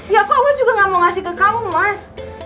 ya kok aku juga gak mau ngasih ke kamu mas